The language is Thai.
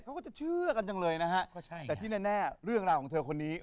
เขาก็จะเชื่อกันจังเลยนะฮะแต่ที่แน่เรื่องราวของเธอคนนี้